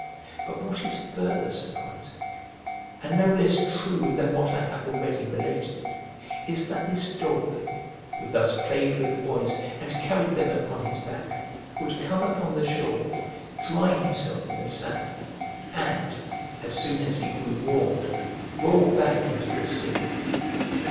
But what is further surprising, and no less true than what I have already related, is that this dolphin, who thus played with the boys and carried them upon his back, would come upon the shore, dry himself in the sand, and, as soon as he grew warm, roll back into the sea.